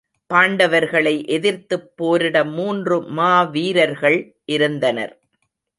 பாண்டவர்களை எதிர்த்துப் போரிட மூன்று மா வீரர்கள் இருந்தனர்.